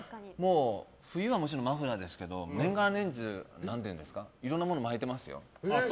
冬はもちろんマフラーですけど年がら年中いろんなもの巻いてますよ。